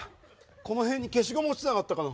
この辺に消しゴム落ちてなかったかな。